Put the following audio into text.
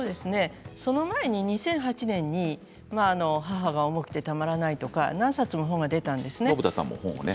その前に２００８年に「母が重くてたまらない」とか何冊も本が出たんですね。